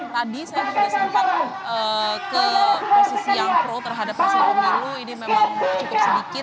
tadi saya juga sempat ke posisi yang pro terhadap hasil pemilu ini memang cukup sedikit